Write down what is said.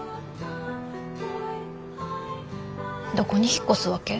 どこに引っ越すわけ？